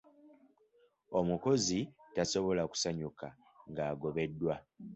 Omukozi tasobola kusanyuka ng'agobeddwa.